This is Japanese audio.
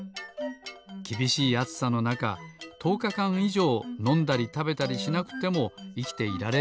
きびしいあつさのなかとおかかんいじょうのんだりたべたりしなくてもいきていられるんですって。